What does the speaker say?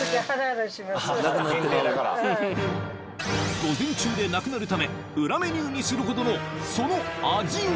午前中でなくなるため裏メニューにするほどのその味は？